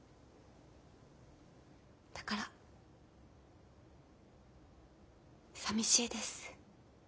だからさみしいです。